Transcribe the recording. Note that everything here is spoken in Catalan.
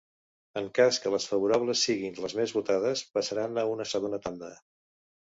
En cas que les favorables siguin les més votades, passaran a una segona tanda.